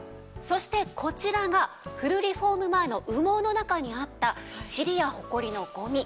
そしてこちらがフルリフォーム前の羽毛の中にあったチリやホコリのゴミ。